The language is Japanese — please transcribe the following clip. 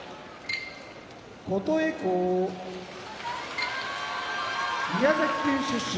琴恵光宮崎県出身